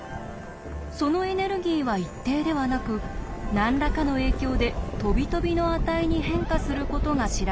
そのエネルギーは一定ではなく何らかの影響でとびとびの値に変化することが知られていました。